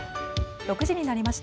６時になりました。